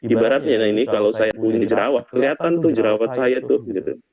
ibaratnya nah ini kalau saya punya jerawat kelihatan tuh jerawat saya tuh gitu